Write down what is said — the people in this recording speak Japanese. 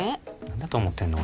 何だと思ってんの？